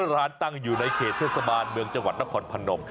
ร้านตั้งอยู่ในเขตเทศบาลเมืองจังหวัดนครพนม